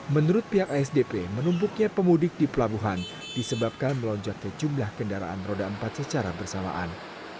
menurut pihak asdp menumpuknya pemudik di pelabuhan disebabkan melonjaknya jumlah kendaraan roda empat secara bersamaan